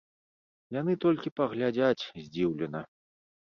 Яны толькі паглядзяць здзіўлена.